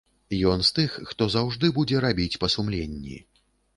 Ён з тых, хто заўжды будзе рабіць па сумленні.